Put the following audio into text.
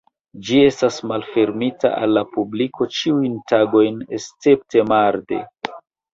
Ĝi estas malfermita al la publiko ĉiujn tagojn escepte marde.